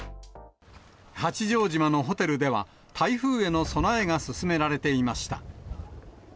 八丈島のホテルでは、台風への備えが進められていました。